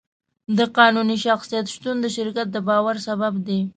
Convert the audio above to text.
د قانوني شخصیت شتون د شرکت د باور سبب دی.